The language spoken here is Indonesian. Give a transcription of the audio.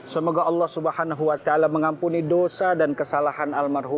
semoga allah subhanahu wa ta'ala mengampuni dosa dan kesalahan